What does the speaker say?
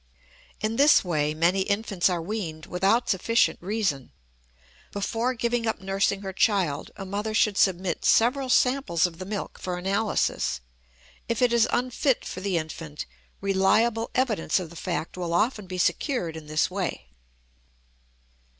In this way many infants are weaned without sufficient reason. Before giving up nursing her child a mother should submit several samples of the milk for analysis. If it is unfit for the infant, reliable evidence of the fact will often be secured in this way.